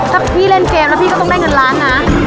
ถ้าพี่เล่นเกมแล้วพี่ก็ต้องได้เงินล้านนะ